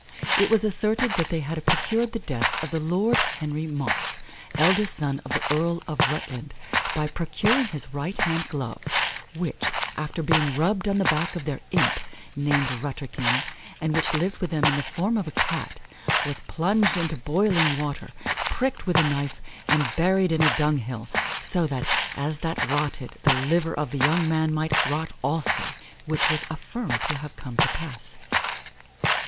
It was asserted that they had procured the death of the Lord Henry Mosse, eldest son of the Earl of Rutland, by procuring his right hand glove, which, after being rubbed on the back of their imp, named "Rutterkin," and which lived with them in the form of a Cat, was plunged into boiling water, pricked with a knife, and buried in a dung hill, so that, as that rotted, the liver of the young man might rot also, which was affirmed to have come to pass.